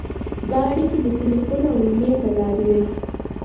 دا اړیکې د تیلفون او ایمېل له لارې وې.